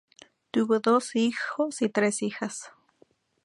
Tuvo dos hijos y tres hijas.